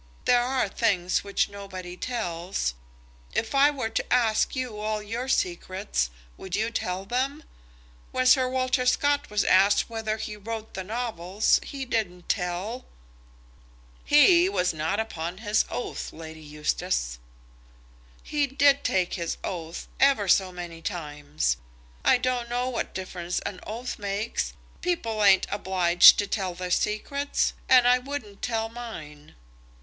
There are things which nobody tells. If I were to ask you all your secrets, would you tell them? When Sir Walter Scott was asked whether he wrote the novels, he didn't tell." "He was not upon his oath, Lady Eustace." "He did take his oath, ever so many times. I don't know what difference an oath makes. People ain't obliged to tell their secrets, and I wouldn't tell mine."